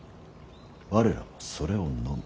我らはそれをのむ。